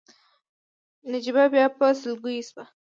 نجيبه بيا په سلګيو شوه.